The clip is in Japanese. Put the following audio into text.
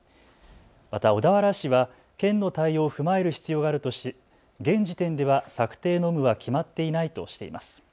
また小田原市は県の対応を踏まえる必要があるとし現時点では策定の有無は決まっていないとしています。